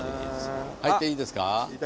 入っていいですか？